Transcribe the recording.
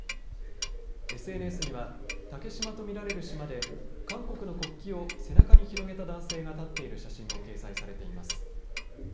ＳＮＳには竹島と見られる島で韓国の国旗を背中に広げた男性が立っている写真も掲載されています。